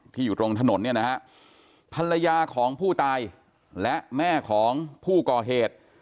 อยู่ตรงถนนเนี่ยนะฮะภรรยาของผู้ตายและแม่ของผู้ก่อเหตุ